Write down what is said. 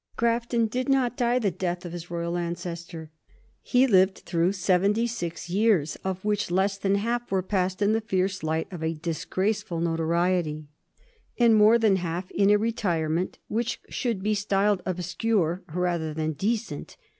Grafton did not die the death of his royal ancestor. He lived through seventy six years, of which less than half were passed in the fierce light of a disgraceful notoriety, and more than half in a retirement which should be styled obscure rather than decent.